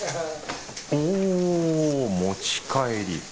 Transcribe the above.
お持ち帰り。